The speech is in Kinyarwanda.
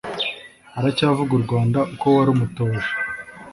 aracyavuga u rwanda uko warumutoje